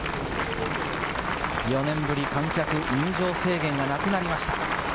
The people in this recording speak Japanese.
４年ぶり、観客入場制限がなくなりました。